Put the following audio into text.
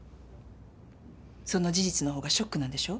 その事実のほうがショックなんでしょ？